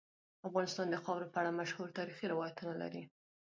افغانستان د خاوره په اړه مشهور تاریخی روایتونه لري.